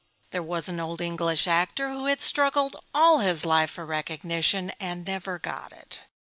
There was an old English actor who had struggled all his life for recognition; and never got it.